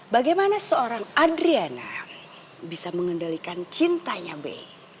bagaimana seorang adriana bisa mengendalikan cintanya be